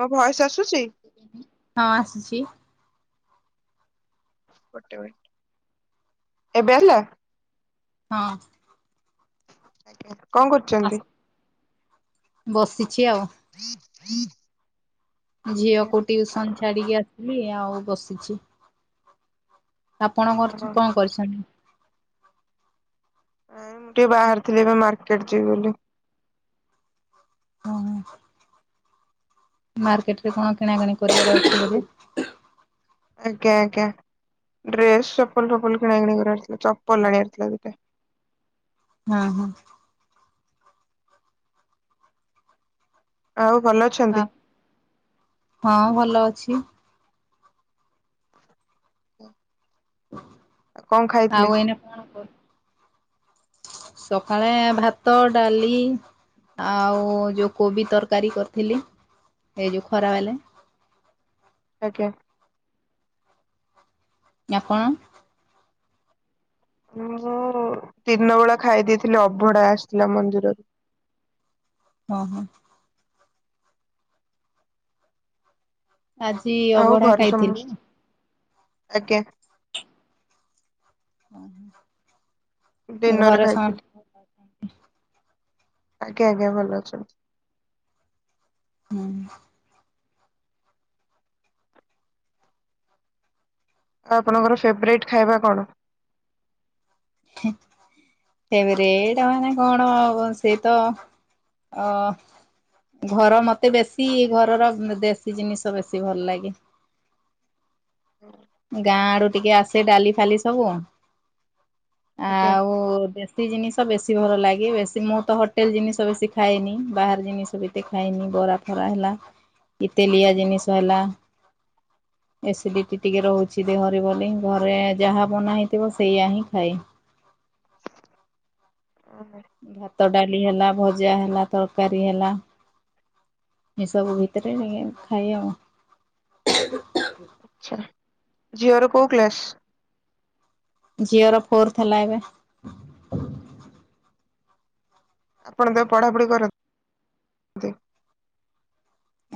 ମୋ ଭୟସ୍‌ ଆସୁଛି? ହଁ ଆସୁଛି। ଗୋଟେ ମିନିଟ୍, ଏବେ ଆଇଲା? ହଁ। ଆଜ୍ଞା, କଣ କରୁଛନ୍ତି? ବସିଛି ଆଉ। [inaudible] ଝିଅକୁ ଟିଉସନ୍‌ ଆଉ ଛାଡିକି ଆସିଲି ଆଉ ବସିଛି। ଆପଣ ଓହୋ କରଛୁ କଣ କରିଛନ୍ତି? ନାଇଁ ମୁଁ ଟିକେ ବାହାରିଥିଲି ଏବେ ମାର୍କେଟ ଯିବି ବୋଲି। ହଁ ହଁ ମାର୍କେଟ ରେ କଣ କିଣାକିଣି କରିବାର ଅଛି ବୋଧେ? ଆଜ୍ଞା, ଆଜ୍ଞା ଡ୍ରେସ୍‌ ଚପଲ ଫପଲ କିଣା କିଣି କରିବାର ଥିଲା ଚପଲ ଆଣିବାର ଥିଲା ଦିଟା। ହଁ ହଁ। ଆଉ ଭଲ ଅଛ? ହଁ ହଁ ଭଲ ଅଛି। କଣ ଆଉ ଖାଇଥିଲେ? ଏଇନା କଣ କର ସକାଳେ ଭାତ ଡାଲି ଆଉ ଯୋଉ କୋବି ତରକାରୀ କରିଥିଲି ଏଇ ଯୋଉ ଖରା ବେଲେ। ଆଜ୍ଞା। ଆପଣ? ମୁଁ ଦିନ ବେଳା ଖାଇ ଦେଇଥିଲି ଅବଢା ଆସିଥିଲା ମନ୍ଦିରରୁ। ହଁ ହଁ। ଆଜି ଆଉ ଅବଢା ଘରେ ଖାଇଥିଲି। ସମସ୍ତେ ଆଜ୍ଞା। [inaudible] ଦିନରେ ଘରେ ସମ ଖାଇଥିଲି ଆଜ୍ଞା ଆଜ୍ଞା ଭଲ ଅଛନ୍ତି। ହୁଁ। ଆଉ ଆପଣଙ୍କର ଫେବରାଇଟ ଖାଇବା କଣ? ଫେବରେଡ ମାନେ କଣ ଅବ ସେଇତ ଅ ଘର ମତେ ବେଶୀ ଘରର ଦେଶୀ ଜିନିଷ ବେଶୀ ଭଲ ଲାଗେ। ଗାଁ ଆଡୁ ଟିକେ ଆସେ ଡାଲି ଫାଲି ସବୁ। ଆଜ୍ଞା ଆଉ ଦେ ଦେଶୀ ଜିନିଷ ବେଶୀ ଭଲ ଲାଗେ ବେଶୀ ମୁଁ ତ ହୋଟେଲ ଜିନିଷ ବେଶୀ ଖାଏନି ବାହାର ଜିନିଷ ବିତେ ଖାଇନି ବରା ପ ବରା ହେଲା କି ତେଲିଆ ଜିନିଷ ହେଲା। ଏସିଡ଼ିଟି ଟିକେ ରହୁଛି ଦେହରେ ବୋଲି ଘରେ ଯାହା ବନାହେଇଥିବ ସେଇଆ ହିଁ ଖାଏ। ଓହୋ। ଭାତ ଡାଲି ହେଲା ଭଜାହେଲା ତରକାରୀ ହେଲା ଏସବୁ ଭିତରେ ଏଇଆକୁ ଖାଏ ଆଉ। ଆଛା ଝିଅର କୋଉ କ୍ଲାସ? ଝିଅର ଫୋର୍ଥ ହେଲା ଏବେ। ଆପଣଙ୍କର ପଢାପଢି କର।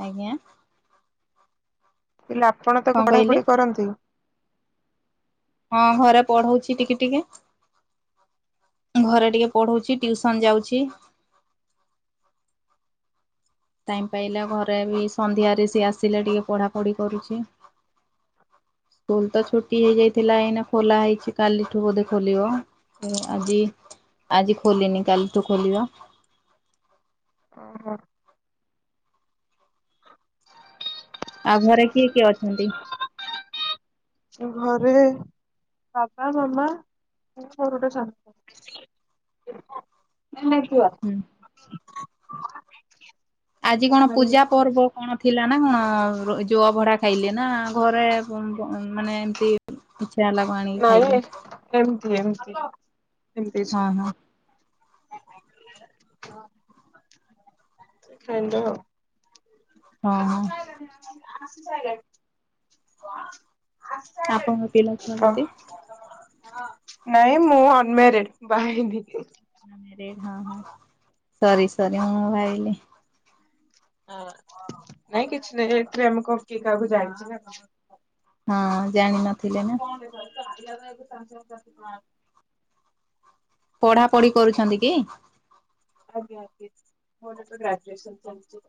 ଆଜ୍ଞା। ମୁଁ କହିଲି ଆପଣ କଣ ତାକୁ ପଢା କହିଲେ? ପଢି କରନ୍ତି? ହଁ ଘରେ ପଢଉଛି ଟିକେ ଟିକେ। ଘରେ ଟିକେ ପଢଉଛି ଟିଉସନ୍‌ ଯାଉଛି। ଟାଇମ ପାଇଲା ଘରେ ବି ସନ୍ଧ୍ୟାରେ ସିଏ ଆସିଲେ ଟିକେ ପଢାପଢି କରୁଛି। ସ୍କୁଲ ତ ଛୁଟି ହେଇଯାଇଥିଲା ଏଇନା ଖୋଲା ହେଇଛି କାଲିଠୁ ବୋଧେ ଖୋଲିବ ଆଜି ଆଜି ଖୋଲିନି କାଲି ତୁ ଖୋଲିବ ଓହୋ ଆଉ ଘରେ କିଏ କିଏ ଅଛନ୍ତି? ଘରେ ବାବା, ମାମା, ମୋର ଗଟେ ସାଙ୍ଗ [inaudible] ହୁଁ [unintelligible] [inaudible] ଆଜି ମୋ କଣ ଭାରି ପୂଜା କତିକି ଆସି ପର୍ବ କଣ ଥିଲା ନା ଜୋ ଅଭଡା ଖାଇଲେ ନା ଘରେ ବମନମ ମାନେ ଏମତି କିଛିନା ଲାଗୁ ଆଣିକି ଖାଇଲେ ନାଇଁ ଏମତି ଏମତି ଏମିତି ହଁ ହଁ ହ୍ୟାଲୋ [unintelligible] [unintelligible] ହଁ ହଁ ଆପଣଙ୍କ ପିଲା ଛୁଆ କେତେ? ନାଇଁ ମୁଁ ଅନମାରିଡ ବା ହେଇନି [unintelligible] ଣା ନାଇଁ କିଛି ନାଇଁ ଏଠି ଆମ କଣ କିଏ କାହାକୁ ଜାଣିଛେ ନା କଣ ହଁ ଜାଣିନଥିଲେ ନା [unintelligible] ପଢାପଢି କରୁଛନ୍ତି କି? ଆଜ୍ଞାଆଜ୍ଞା ମୋର ଏବେ ଗ୍ରାଜୁଏସନ୍ ଚାଲିଛି।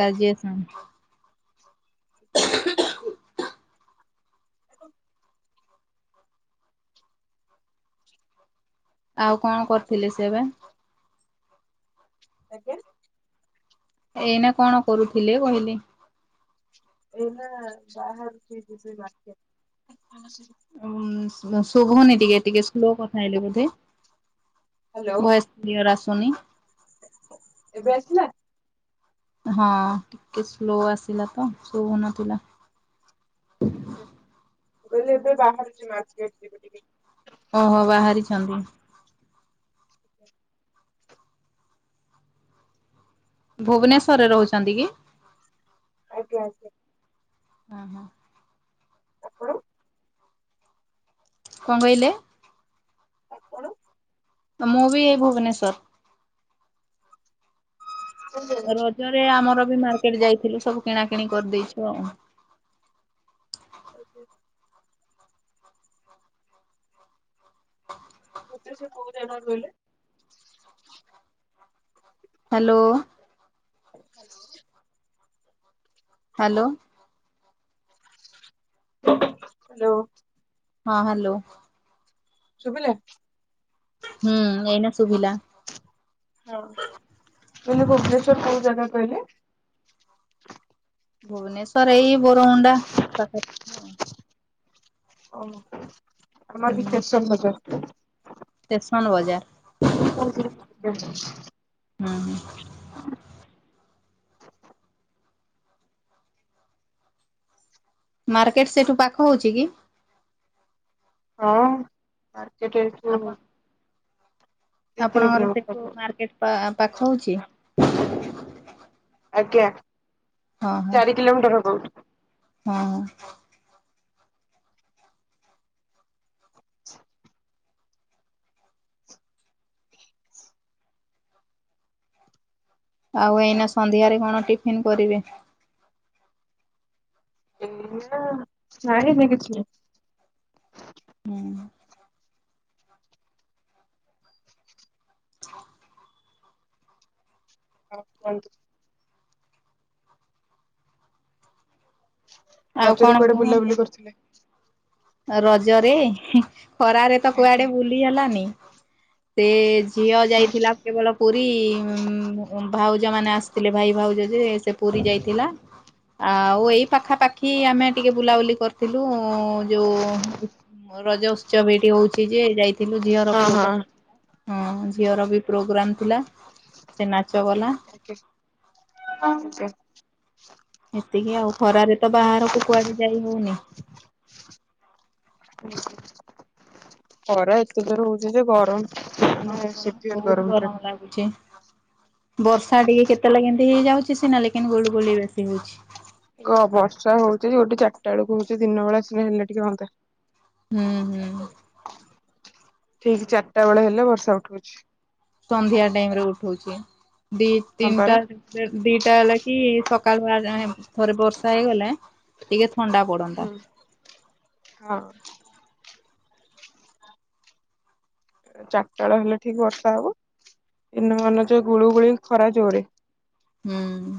କାଜି୍ୟେଷଣ [inaudible] [inaudible] ଆଉ କଣ କରିଥିଲେ ସେ ଏବେ [unintelligible] ଏଇନା କଣ କରୁଥିଲେ କହିଲେ? ଏନ ବାହାରହାରଇ। ଉ ଶୁଭନି ଟିକେ ଟିକେ ସ୍ଲୋ କଥା ହେଇଲେ ବୋଧେ ବୟସ? ନିିଅର ଆସୁନି। ଏବେ ଆସିଲ? ହଁ ଟିକେ ସ୍ଲୋ ଆସିଲା ତ ଶୁଭୁନଥିଲା। ଆା ମୁଁ କହିଲେ ଏବେ ବାହାରୁଛି ମାଛି ଆସଯିବେ ଟିକେ। ଓହୋ ବାହାରିଛନ୍ତି? ଭୁବନେଶ୍୍ୱରରେ ରହୁଛନ୍ତି କି? ଆଜ୍ଞା ଆଜ୍ା। ହଁ ହଁ। [unintelligible] ତାପଣ? କଣ କହିଲେ। କଣ? ମୁଁ ବି ଏଇ ଭୁବନେଶ୍ଵର। ହୁ। [unintelligible] ନିରେ ଆମର ବି ମାର୍କେଟ ଯାଇଥିଲୁ ସବୁ କିଣାକିଣି କରିଦେଇଛୁ ଆଉ। ଆଠା। [unintelligible] [inaudible] ମତେ ସେକୋଉ ଜାଗାକୁ କଇଁଲେ? ହାଲୋ? ହାଲୋ। ହାଲୋ? ହାଲୋ? ହଁ ହାଲୋ। ଶୁବିଲା? ହୁଁ ଏଇନା ଶୁଭିଲା। ହଁ ମୁଁ କହିଲି ଭୁବନେଶ୍ଵର କୋଉ ଜାଗା କହିଲେ? ଭୁବନେଶ୍ଵର ଏଇ ବୋରମୁଣ୍ଡା ପାଖରେ। ହଁ। ଓହୋ ଆମରବି ଷ୍ଟେସନ୍ ବଜାର। ଷ୍ଟେସନ୍ ବଜାର। [unintelligible] ହୁଁ ହୁଁ ମାର୍କେଟ ସେଇଠୁ ପାଖ ହଉଚିକି? ହଁ ମାର୍କେଟ ଆପଣ ଦି ତିନି ଆପଣଙ୍କର କିଲୋମିଟର ସେଠୁ ହବ। ମାର୍କେଟ ପାଖ ହଉଚି। ଆଜ୍ଞା ହଁ ହଁ ଚାରି କିଲୋମିଟର୍ ହବ ଏଇଠୁ। ହଁ। ଆଉ ଏଇନା ସନ୍ଧ୍ୟାରେ କଣ ଟିଫନ୍ କରିବେ? [unintelligible] ହୁଁ। ଆଉ କୁହନ୍ତୁ? ଆଉ ରଜରେ କଣ କୁଆଡ଼େ କୁହନ୍ତୁ ବୁଲାବୁଲି କରିଥିଲେ? ରଜରେ ଖରାରେତ କୁଆଡ଼େ ଆଜ୍ଞା। ବୁଲି ହେଲାନି ସେ ଝିଅ ଯାଇଥିଲା କେବଳ ପୁରୀ ଉମ୍ ଭାଉଜ ମାନେ ଆସିଥିଲେ ଭାଇ ଭାଉଜ ଯେ ସେପୁରୀ ଯାଇଥିଲା। ଆଉ ଏଇ ପାଖା ପାାଖି ଆମେ ଟିକେ ବୁଲାବୁଲି କରିଥିଲୁ ଯୋଉ ରଜ ଉତ୍ସବ ଏଇଠି ହଉଚିଯେ ଯାଇଥିଲୁ ଝିଅର ହଁ ହଁ ପ୍ରୋଗ୍ରାମ ହଁ ଝିଅରବି ପ୍ରୋଗ୍ରାମ ଥିଲା ସେନାଚ କଲା [unintelligible] ଏତିକି ଆଉ ଖରାରେତ ବାହାରକୁ କୁଆଡ଼େ ଯାଇ ହଉନି [inaudible] ଖରା ଏତେ ଜୋରେ ହଉଚିଯେ ଗରମ୍ ହଁ [unintelligible] ବହୁତ୍ ଗରମ୍ ଲାଗୁଚି। ବର୍ଷା ଟିକେ କେତେଳେ କେମିତି ହେଇଯାଉଚି ସିନା ଲେକିନ୍ ଗୁଳୁ ଗୋଳି ବେଶୀ ହଉଚି। କଁ ବର୍ଷା ହଉଚି ଯୋଉଠି ଚାରିଟା ବେଳକୁ ହଉଚି ଦିନ ବେଳା ଆସିଲେ ହେଲେ ଟିକେ ହନ୍ତା। ହୁଁ ହୁଁ। ଠିକ୍ ଚାରିଟା ବେଳେ ହେଲେ ବର୍ଷା ଉଠଉଚି। ସନ୍ଧ୍ୟା ଟାଇମରେ ଉଠଉଚି ଦି ହଁ ତିନିଟା ପରା। ଦିଟା ହେଲାକି ସକାଳୁଆ ଜାଣେ ଥରେ ବର୍ଷା ହେଇଗଲେ ଟିକେ ଥଣ୍ଡା ପଡନ୍ତା ହୁଁ ହଁ। ଚାରିଟା ବେଳେ ହେଲେ ଠିକ୍ ବର୍ଷା ହବ ଦିନମାନେ ଯୋଉ ଗୁଳୁ ଗୁଳି ଖରା ଜୋରେ ହୁଁ।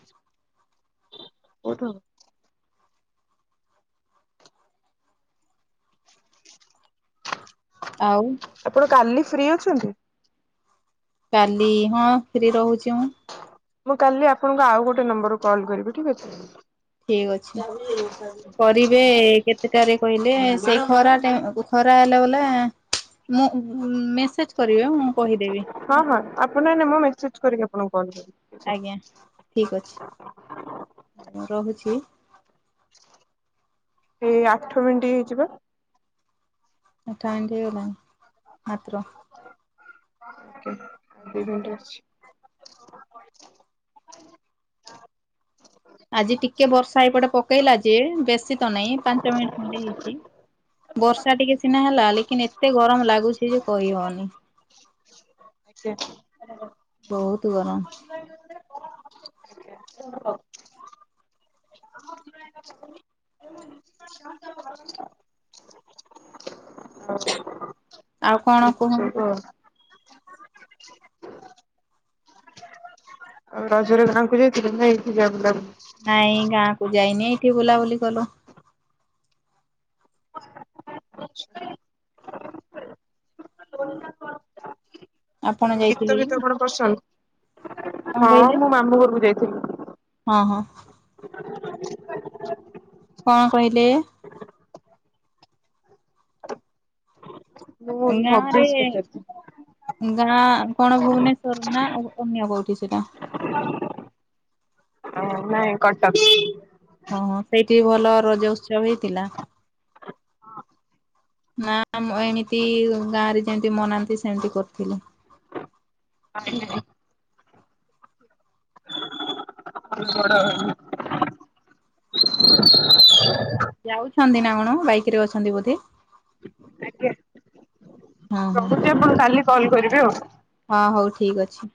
[unintelligible] [unintelligible] ଆଉ। ଆପଣ କାଲି ଫ୍ରି ଅଛନ୍ତି? କାଲି ହଁ ଫ୍ରି ରହୁଛି ମୁଁ। ମୁଁ କାଲି ଆପଣଙ୍କୁ ଆଉ ଗୋଟେ ନମ୍ବରରୁୁ କଲ୍ କରିବି ଠିକ ଅଛି। ଠିକ ଅଛି। କରିବେ କେତେଟାରେ କହିଲେ ସେ ଖରା ଟ ଖରା ହେଲା ବଲା ମୁଁ ମେସେଜ କରିବି ମୁଁ କହିଦେବି। ହଁ ହେଲା ହଁ ଆପଣ ନା ନା ମୁଁ ମେସେଜ କରିକି ଆପଣଙ୍କୁ କଲ୍ କରିବି। ଆଜ୍ଞା ଠିକ ଅଛି ରହୁଛି। ଏଇ ଆଠ ମିନିଟ ହେଇଯି ବ।। [unintelligible] [unintelligible] ଆଜି ଟିକେ ବର୍ଷା ଏଇପଟେ ପକେଇଲା ଯେ ବେଶୀ ତ ନହିଁ ପାଞ୍ଚ ମିନିଟ ଖଣ୍ଡେ ହେଇଛି। ବର୍ଷା ଟିକେ ସିନା ହେଲା ଲେକିନ ଏତେ ଗରମ ଲାଗୁଛି ଯେ କହିହଉନି। [unintelligible] [unintelligible] ବହୁତ ଗରମ। [inaudible] [unintelligible] ଆଉ କଣ ଏମିତି ସବୁ କୁହନ୍ତୁ? ଆଉ। [unintelligible] ନାଇଁ ଗାଁ କୁ ଯାଇନି ଏଇଠି ବୁଲାବୁଲି କଲୁ। [unintelligible] ଆପଣ ଗୀତ ଯାଇଥିଲେ ଗୀତ କି? କଣ କଣ ପସନ୍ଦ ହଁ କହିଲେ ମୁଁ ମାମୁ ଘୁରକୁ ଯାଇଥିଲି। ହଁ ହଁ। [unintelligible] କଣ କହିଲେ? ମୁଁ ଏଇ ଗାଁ ରେ ହବିଷ ପଚାରୁଥିଲି। ଗାଁ କଣ ଭୁବନେଶ୍ଵର ନା ଅନ୍ୟ କୋଉଠି ସେଟା। ହ ନାଇଁ କଟକ। ଓୋ ସେଇଠି ଭଲ ରଜ ଉତ୍ସବ ହେଇଥିଲା? ନା ମୁଁ ଏମିତି ଗାଁ ରେ ଯେମତି ମନାନ୍ତି ସେମିତି କରିଥିଲେ? [unintelligible] [unintelligible] ଯାଉଛନ୍ତି ନା କଣ ବାଇକ ରେ ଅଛନ୍ତି ବୋଧେ? ହଁ ହଁ। ମୁଁ କାଲି କଲ୍ କରିବି ଆଉ। ହଁ ହଉ ଠିକି ଅଛି!